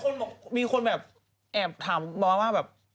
แล้วมีคนแบบา๊บแอบถามบอกว่าแบบ